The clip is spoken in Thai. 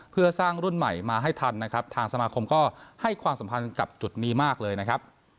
เพื่อสร้างรุ่นใหม่มาให้ทันนะครับทางสมาคมก็ให้ความสำคัญกับจุดนี้มากเลยนะครับ